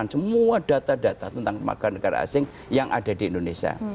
semua tenaga negara asing yang ada di indonesia